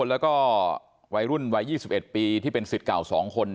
แล้วก็วัยรุ่นวัย๒๑ปีที่เป็นสิทธิ์เก่า๒คน